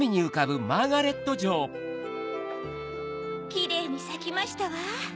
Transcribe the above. キレイにさきましたわ！